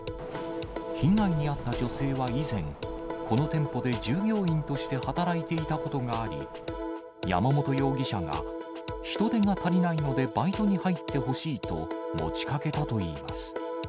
被害に遭った女性は以前、この店舗で従業員として働いていたことがあり、山本容疑者が、人手が足りないのでバイトに入ってほしいと持ちかけたといいます。